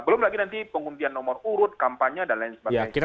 belum lagi nanti pengundian nomor urut kampanye dan lain sebagainya